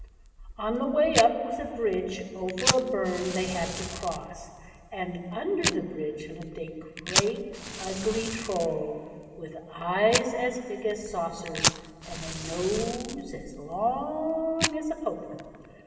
On the way up was a bridge over a burn they had to cross; and under the bridge lived a great ugly Troll, with eyes as big as saucers, and a nose as long as a poker.